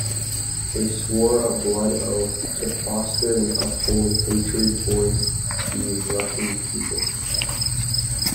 They swore a blood oath to foster and uphold hatred toward the Russian people.